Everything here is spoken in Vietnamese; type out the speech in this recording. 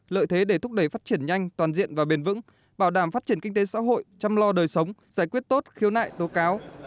lợi thế để thúc đẩy phát triển nhanh toàn diện và bền vững bảo đảm phát triển kinh tế xã hội chăm lo đời sống giải quyết tốt khiếu nại tố cáo